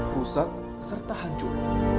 pusat serta hancur